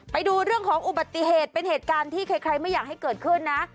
ไปดูเรื่องของอุบัติเหตุเป็นเหตุการณ์ที่ใครไม่อยากให้เกิดขึ้นนะ